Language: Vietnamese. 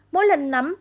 mỗi lần nắm